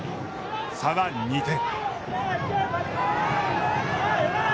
差は２点。